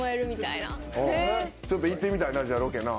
ちょっと行ってみたいなロケな。